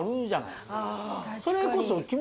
それこそ。